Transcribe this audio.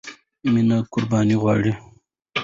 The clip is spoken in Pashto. مینه قربانی غواړي.